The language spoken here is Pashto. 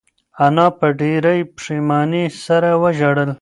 انا په ډېرې پښېمانۍ سره وژړل.